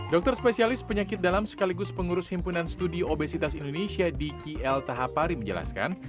dokter spesialis penyakit dalam sekaligus pengurus himpunan studi obesitas indonesia di kil tahapari menjelaskan